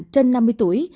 trên năm mươi tuổi